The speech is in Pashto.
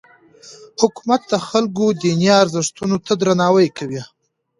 حکومت د خلکو دیني ارزښتونو ته درناوی کوي.